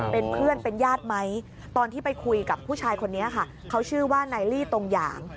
เป็นเพื่อนเป็นญาติไหมตอนที่ไปคุยกับผู้ชายคนนี้ค่ะเขาชื่อว่านายลี่ตรงหยาง